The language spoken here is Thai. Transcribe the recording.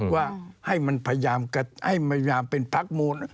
ว่าให้มันพยายามเป็นพรรคโมน